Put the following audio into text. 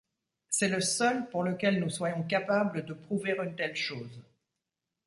C'est le seul pour lequel nous soyons capables de prouver une telle chose.